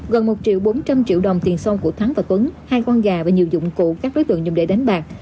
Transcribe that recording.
gần một triệu bốn trăm linh triệu đồng tiền sâu của thắng và tuấn hai con gà và nhiều dụng cụ các đối tượng dùng để đánh bạc